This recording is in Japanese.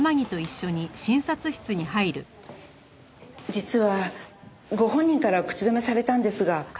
実はご本人からは口止めされたんですが。